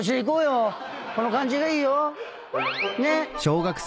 この感じがいいよ。